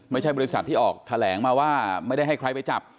บริษัทที่ออกแถลงมาว่าไม่ได้ให้ใครไปจับ